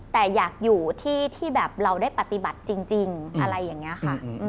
แต่อยากอยู่ที่แบบเราได้ปฏิบัติจริงอะไรอย่างนี้ค่ะ